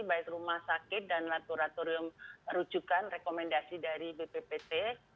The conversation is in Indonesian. baik rumah sakit dan laboratorium rujukan rekomendasi dari bppt